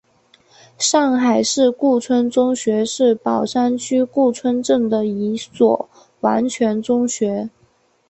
上海市顾村中学是宝山区顾村镇的一所完全中学。